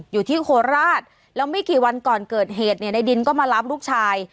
โคราชแล้วไม่กี่วันก่อนเกิดเหตุเนี่ยในดินก็มารับลูกชาย